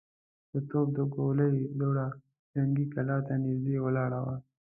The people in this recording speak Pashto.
د توپ د ګولۍ دوړه جنګي کلا ته نږدې ولاړه وه.